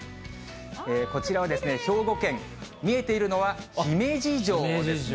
こちらは兵庫県、見えているのは姫路城ですね。